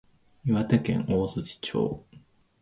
岩手県大槌町